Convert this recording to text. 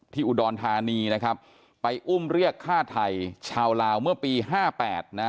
อุดรธานีนะครับไปอุ้มเรียกฆ่าไทยชาวลาวเมื่อปีห้าแปดนะ